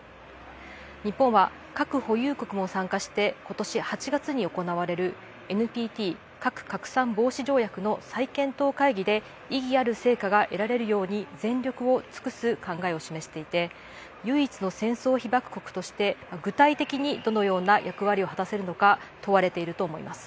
日本は、核保有国も参加してことし８月に行われるＮＰＴ＝核拡散防止条約の再検討会議で意義ある成果が得られるように全力を尽くす考えを示していて唯一の戦争被爆国として具体的にどのような役割を果たせるのか問われていると思います。